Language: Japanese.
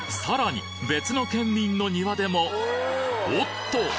さらに別の県民の庭でもおっと！